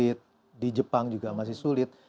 di indonesia masih sulit di jepang juga masih sulit